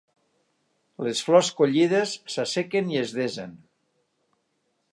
Les flors collides s'assequen i es desen.